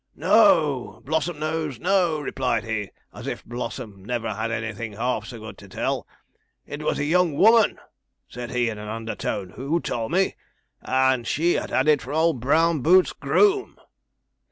"No Blossomnose no," replied he, as if Blossom never had anything half so good to tell; "it was a young woman," said he, in an undertone, "who told me, and she had it from old Brown Boots's groom."'